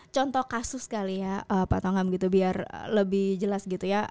contoh kasus kali ya pak tongam biar lebih jelas